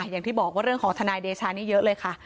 อย่างที่บอกว่าเรื่องของทเลชเยอะเลยค่ะ